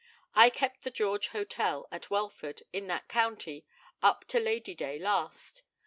I kept the George Hotel, at Welford, in that county, up to Lady day last.